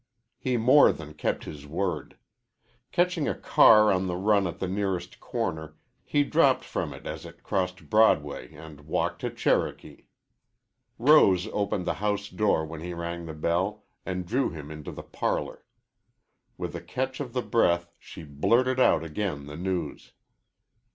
He more than kept his word. Catching a car on the run at the nearest corner, he dropped from it as it crossed Broadway and walked to Cherokee. Rose opened the house door when he rang the bell and drew him into the parlor. With a catch of the breath she blurted out again the news.